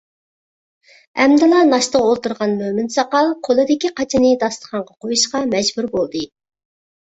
ئەمدىلا ناشتىغا ئولتۇرغان مۆمىن ساقال قولىدىكى قاچىنى داستىخانغا قويۇشقا مەجبۇر بولدى.